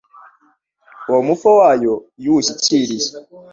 Uwo mufa wayo iyo uwushyikiriye